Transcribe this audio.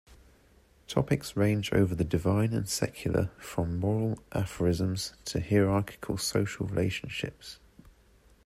Topics range over the divine and secular, from moral aphorisms to hierarchical social relationships.